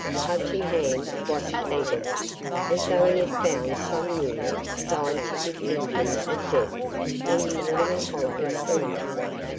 Clutching Hand watched eagerly, as though he had found some new, scientific engine of death in the little hollow cylinder.